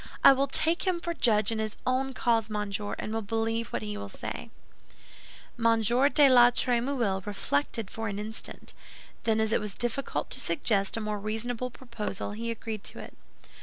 I will take him for judge in his own cause, monsieur, and will believe what he will say." M. de la Trémouille reflected for an instant; then as it was difficult to suggest a more reasonable proposal, he agreed to it.